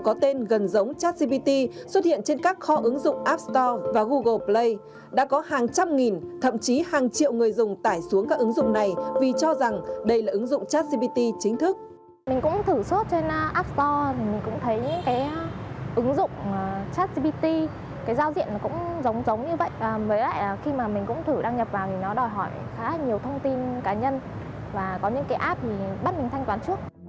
mới lại là khi mà mình cũng thử đăng nhập vào thì nó đòi hỏi khá nhiều thông tin cá nhân và có những cái app thì bắt mình thanh toán trước